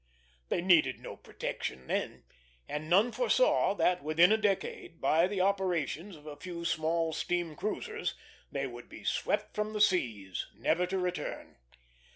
They needed no protection then, and none foresaw that within a decade, by the operations of a few small steam cruisers, they would be swept from the seas, never to return.